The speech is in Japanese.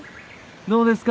どうですか？